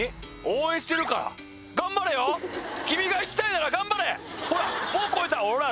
応援してるから頑張れよ君が行きたいなら頑張れほらもう越えたおら